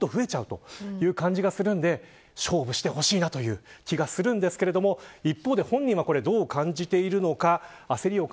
このペースでいくともっと増えちゃう感じがするんで勝負してほしいなという気がするんですが一方で本人はどう感じているのか。